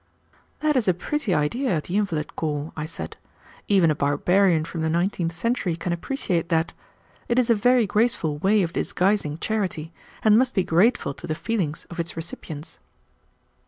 "That is a pretty idea of the invalid corps," I said. "Even a barbarian from the nineteenth century can appreciate that. It is a very graceful way of disguising charity, and must be grateful to the feelings of its recipients."